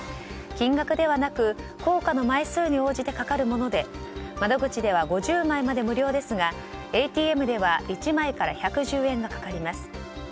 金額ではなく硬貨の枚数に応じてかかるもので窓口では５０枚まで無料ですがＡＴＭでは１枚から１１０円がかかります。